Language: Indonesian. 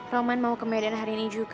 roman mau ke medan hari ini juga